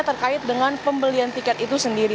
terkait dengan pembelian tiket itu sendiri